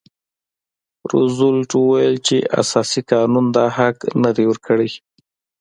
روزولټ وویل چې اساسي قانون دا حق نه دی ورکړی.